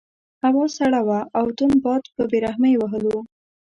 هوا سړه وه او تند باد په بې رحمۍ وهلو.